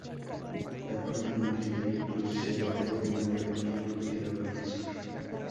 La parte norte del Crucero es de mayor longitud que la parte sur.